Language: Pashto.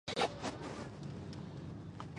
سیلاني ځایونه د افغانانو د ژوند طرز اغېزمنوي.